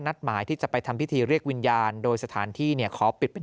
นัดหมายที่จะไปทำพิธีเรียกวิญญาณโดยสถานที่เนี่ยขอปิดเป็น